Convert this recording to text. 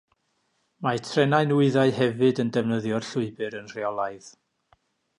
Mae trenau nwyddau hefyd yn defnyddio'r llwybr yn rheolaidd.